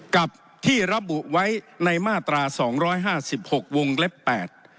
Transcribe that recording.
กับที่ระบุไว้ในมาตราสองร้อยห้าสิบหกวงเล็บแปด